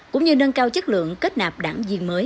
cũng như nâng cao chất lượng kết nạp đảng viên mới